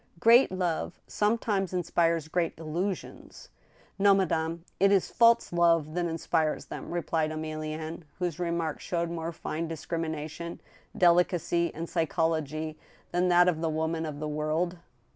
" Great love sometimes inspires great illusions." " No, madame ; it is false love that inspires them," replied Emi lienne. whose remark showed more fine discrimination, delicacy, and psychology than that of the woman of the world.